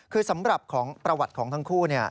คือสำหรับประวัติทั้งคู่เนี่ย